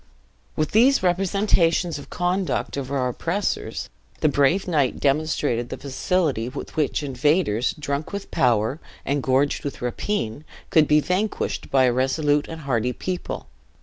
"With these representations of the conduct of our oppressors, the brave knight demonstrated the facility with which invaders, drunk with power, and gorged with rapine, could be vanquished by a resolute and hardy people.